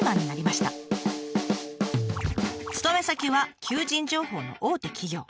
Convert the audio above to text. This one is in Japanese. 勤め先は求人情報の大手企業。